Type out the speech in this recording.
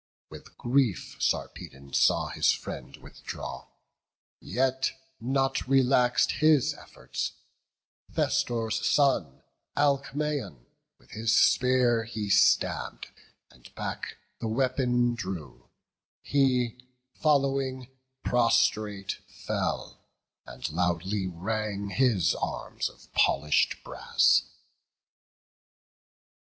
With grief Sarpedon saw his friend withdraw, Yet not relax'd his efforts; Thestor's son, Alcmaon, with his spear he stabb'd, and back The weapon drew; he, following, prostrate fell, And loudly rang his arms of polish'd brass.